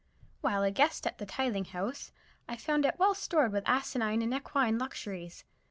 While a guest at the Tithing House, I found it well stored with asinine and equine luxuries.